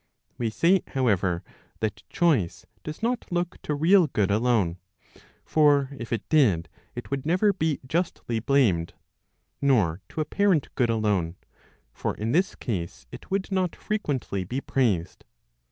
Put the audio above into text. We say, however, that choice does not look to real good alone; for if it did, it would never be justly blamed ; nor to apparent good alone ; for in this case, it would not frequently be praised.